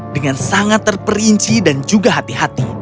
dengan sangat terperinci dan juga hati hati